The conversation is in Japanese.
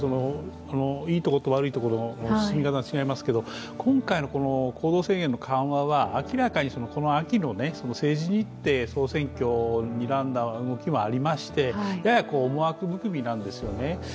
いいところと悪いところ違いますけど今回の行動制限の緩和は明らかにこの秋の政治日程、総選挙をにらんだ動きもありまして、やや思惑ぶくみなんですよね。